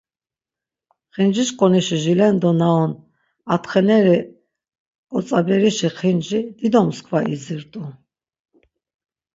Xincişǩunişi jilendo na on atxeneri ǩotzaberişi xinci dido msǩva izirt̆u.